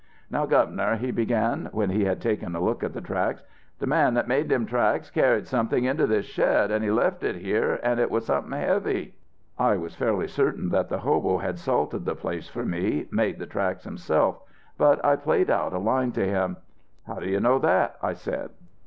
"'Now, Governor,' he began, when he had taken a look at the tracks, 'the man that made them tracks carried something into this shed, and he left it here, and it was something heavy.' "I was fairly certain that the hobo had salted the place for me, made the tracks himself; but I played out a line to him. "'How do you know that?' I said.